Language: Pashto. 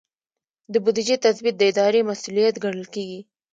د بودیجې تثبیت د ادارې مسؤلیت ګڼل کیږي.